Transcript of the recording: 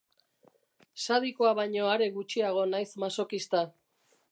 Sadikoa baino are gutxiago naiz masokista.